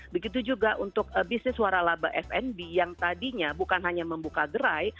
begitu juga untuk bisnis waralaba fnb yang tadinya bukan hanya membuka gerai